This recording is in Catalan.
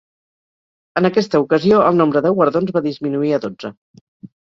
En aquesta ocasió el nombre de guardons va disminuir a dotze.